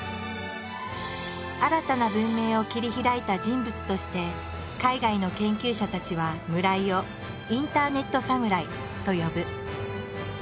新たな文明を切り開いた人物として海外の研究者たちは村井を「インターネットサムライ」と呼ぶ。